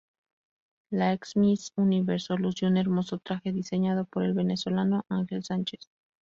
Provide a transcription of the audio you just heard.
La ex Miss Universo lució un hermoso traje diseñado por el venezolano: Ángel Sánchez.